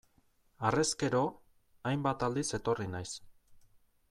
Harrezkero, hainbat aldiz etorri naiz.